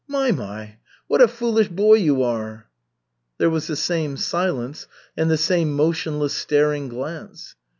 My, my, what a foolish boy you are!" There was the same silence and the same motionless staring glance.